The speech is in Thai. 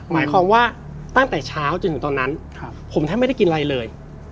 หมายความว่าตั้งแต่เช้าจนถึงตอนนั้นผมแทบไม่ได้กินอะไรเลย